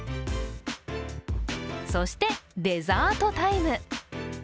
そして、デザートタイム。